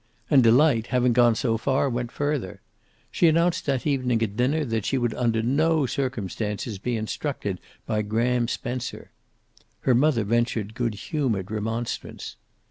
And Delight, having gone so far, went further. She announced that evening at dinner that she would under no circumstances be instructed by Graham Spencer. Her mother ventured good humored remonstrance.